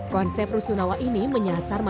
konsep rusunawa ini menyasar masyarakat